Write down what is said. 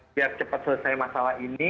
biar cepat selesai masalah ini